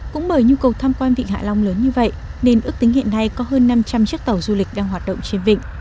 cũng bởi nhu cầu tham quan vịnh hạ long lớn như vậy nên ước tính hiện nay có hơn năm trăm linh chiếc tàu du lịch đang hoạt động trên vịnh